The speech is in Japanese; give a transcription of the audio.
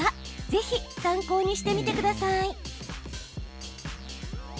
ぜひ参考にしてみてください。